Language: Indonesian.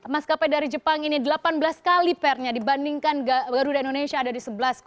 mas kape dari jepang ini delapan belas kali pr nya dibandingkan garuda indonesia ada di sebelas tujuh